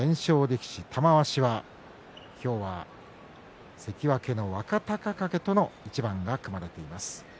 力士玉鷲は今日は関脇の若隆景との一番が組まれています。